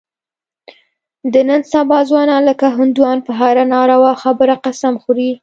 د نن سبا ځوانان لکه هندوان په هره ناروا خبره قسم خوري.